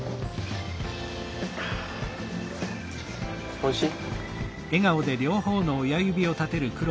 おいしい？